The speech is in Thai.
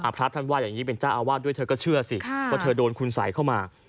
พระท่านว่าอย่างนี้เป็นเจ้าอาวาสด้วยเธอก็เชื่อสิว่าเธอโดนคุณสัยเข้ามา